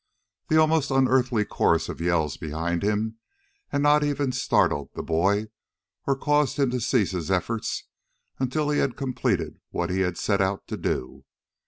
The almost unearthly chorus of yells behind him had not even startled the boy or caused him to cease his efforts until he had completed what he had set out to do.